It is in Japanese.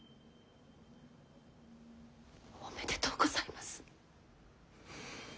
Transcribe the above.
おめでとうございます。